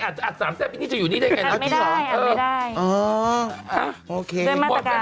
ไม่อัดอัดสามแซ่ปนี้จะอยู่นี้ได้ไงนะ